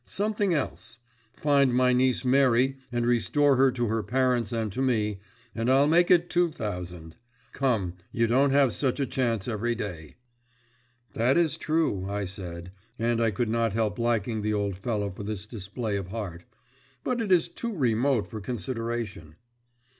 Something else: find my niece Mary, and restore her to her parents and to me, and I'll make it two thousand. Come, you don't have such a chance every day." "That is true," I said, and I could not help liking the old fellow for this display of heart. "But it is too remote for consideration."